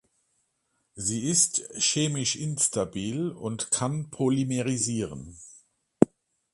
Sie ist chemisch instabil und kann polymerisieren.